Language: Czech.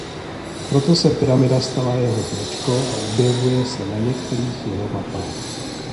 Proto se pyramida stala jeho značkou a objevuje se na některých jeho mapách.